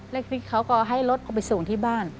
แล้วทีนี้เขาก็ให้รถเข้าไปสูงที่บ้าน